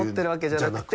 じゃなくて。